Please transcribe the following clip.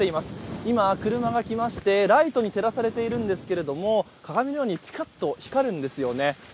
今、車が来ましてライトに照らされていますが鏡のようにぴかっと光るんですよね。